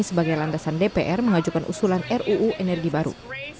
sebagai landasan dpr mengajukan usulan ruu energi baru